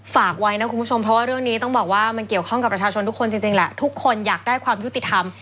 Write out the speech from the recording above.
ฝากไว้นะคุณผู้ชมเพราะว่าเรื่องนี้ต้องบอกว่ามันเกี่ยวข้องกับประชาชนทุกคนจริงแหละทุกคนอยากได้ความยุติธรรม